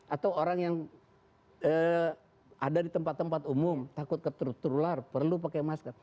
atau orang yang ada di tempat tempat umum takut terturular perlu pakai masker